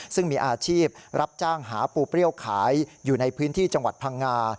ซึ่งมีอาชีพรับจ้างหาปูเปรี้ยวขายอยู่ในพื้นที่จังหวัดพังงา